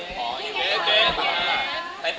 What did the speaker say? ขอบคุณครับ